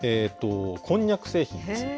こんにゃく製品です。